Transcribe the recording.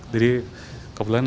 jadi kebetulan karena